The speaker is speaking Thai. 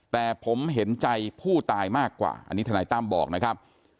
แต่ผมเห็นใจผู้ตายมากกว่าอันนี้ทนายตั้มบอกนะครับ